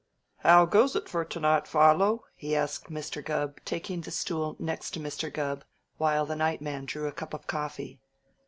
"How goes it for to night, Philo?" he asked Mr. Gubb, taking the stool next to Mr. Gubb, while the night man drew a cup of coffee.